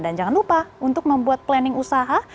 dan jangan lupa untuk membuat planning usaha